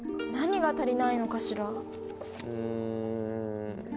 何が足りないのかしら？